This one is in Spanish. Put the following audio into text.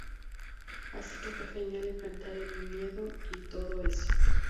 Así que fue genial enfrentar mi miedo y todo eso".